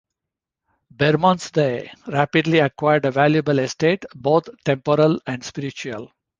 Bermondsey rapidly acquired a valuable estate, both temporal and spiritual.